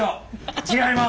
違います。